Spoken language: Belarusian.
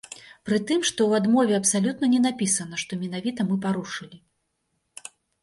Пры тым, што ў адмове абсалютна не напісана, што менавіта мы парушылі.